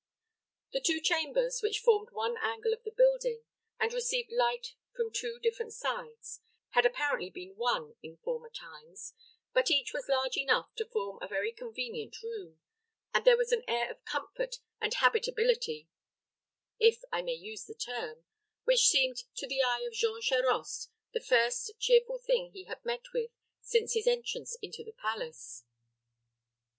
The two chambers, which formed one angle of the building, and received light from two different sides, had apparently been one in former times, but each was large enough to form a very convenient room; and there was an air of comfort and habitability, if I may use the term, which seemed to the eye of Jean Charost the first cheerful thing he had met with since his entrance into the palace.